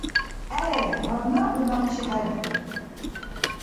ГӀe, гьанна xӀy набчи хӀерхуд.